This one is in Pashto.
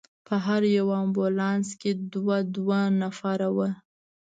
په هر یو امبولانس کې دوه دوه نفره ول.